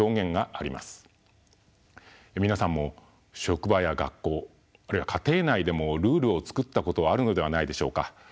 皆さんも職場や学校あるいは家庭内でもルールを作ったことはあるのではないでしょうか。